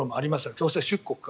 強制出国か。